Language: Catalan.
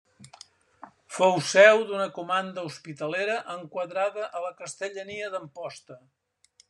Fou seu d'una comanda hospitalera enquadrada a la Castellania d'Amposta.